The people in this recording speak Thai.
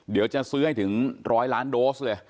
เดี๋ยวจะซื้อให้ถึง๑๐๐ล้านโดสเลย